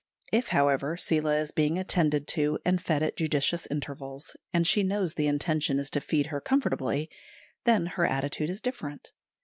If, however, Seela is being attended to and fed at judicious intervals, and she knows the intention is to feed her comfortably, then her attitude is different.